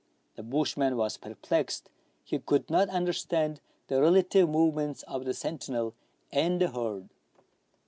The bushman was perplexed ; he could not understand the relative movements of the sentinel and the herd.